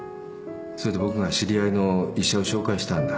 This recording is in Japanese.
それで僕が知り合いの医者を紹介したんだ。